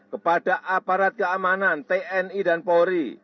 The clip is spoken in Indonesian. kepada aparat keamanan tni dan polri